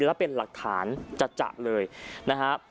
แล้วเป็นหลักฐานจัดเลยนะครับ